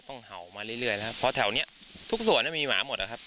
ต้องเห่ามาเรื่อยนะครับเพราะแถวเนี้ยทุกสวนน่ะมีหมาหมดอะครับ